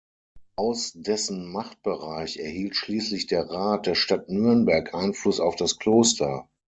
Aus dessen Machtbereich erhielt schließlich der Rat der Stadt Nürnberg Einfluss auf das Kloster.